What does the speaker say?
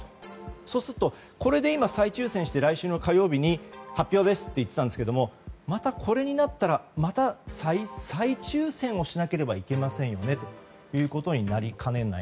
そうすると、これで再抽選して来週の火曜日に発表ですと言っていたんですがまたこれになったらまた再々抽選をしなければいけませんよねということになりかねない。